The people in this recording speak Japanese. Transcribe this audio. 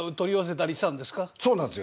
そうなんですよ